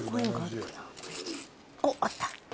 おっあった。